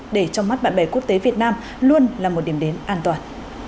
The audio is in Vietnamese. để trong mắt bạn bè quốc tế việt nam luôn là một điểm đến an toàn